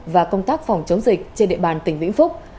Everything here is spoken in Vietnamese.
và công tác phòng chống dịch trên địa bàn tỉnh vĩnh phúc